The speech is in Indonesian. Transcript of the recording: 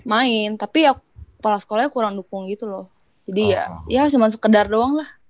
main tapi ya kepala sekolah kurang dukung gitu loh jadi ya ya cuma sekedar doang lah